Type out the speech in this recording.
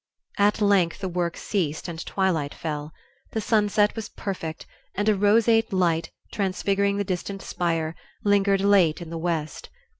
At length the work ceased and twilight fell. The sunset was perfect and a roseate light, transfiguring the distant spire, lingered late in the west.